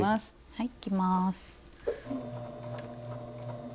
はいいきます。